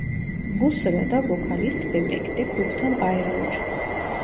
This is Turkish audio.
Bu sırada vokalist Bebek de gruptan ayrılır.